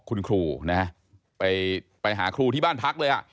คุณครูนะไปหาครูที่บ้านพักเลยอ่ะ